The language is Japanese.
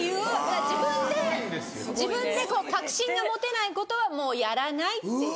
自分で自分で確信が持てないことはもうやらないっていう。